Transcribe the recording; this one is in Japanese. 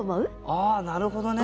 ああなるほどね。